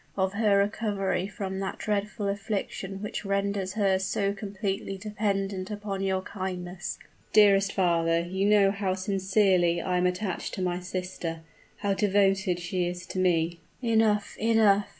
of her recovery from that dreadful affliction which renders her so completely dependent upon your kindness." "Dearest father, you know how sincerely I am attached to my sister how devoted she is to me " "Enough, enough!"